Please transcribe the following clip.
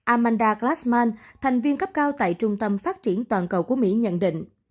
amanda klasman thành viên cấp cao tại trung tâm phát triển toàn cầu của mỹ nhận định